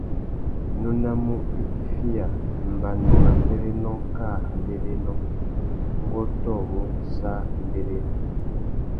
Nônamú itifiya, mbanu râ mbérénô kā abérénô, ngu ôtōmú sā mbérénô.